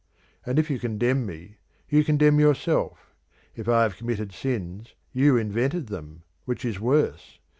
And if you condemn me, you condemn yourself. If I have committed sins, you invented them, which is worse.